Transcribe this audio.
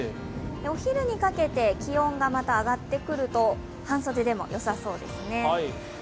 お昼にかけて気温がまた上がってくると半袖でもよさそうですね。